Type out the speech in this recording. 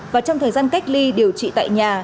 và trong thời gian cách ly điều trị tại nhà